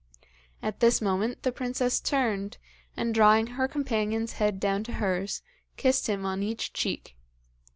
At this moment the princess turned, and drawing her companion's head down to hers, kissed him on each cheek.